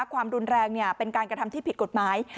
ความรุนแรงเป็นการกระทำที่ผิดกฎหมาย